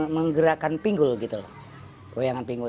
menggerakkan pinggul gitu loh goyangan pinggul